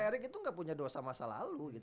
erick itu gak punya dosa masa lalu